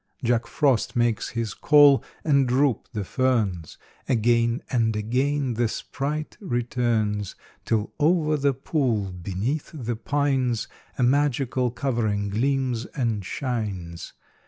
Jack Frost makes his call,—and droop the ferns; Again and again the sprite returns, Till over the pool beneath the pines A magical covering gleams and shines.